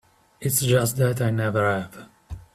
It's just that I never have.